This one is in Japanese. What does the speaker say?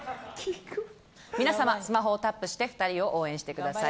皆さまスマホをタップして２人を応援してください。